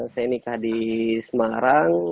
saya nikah di semarang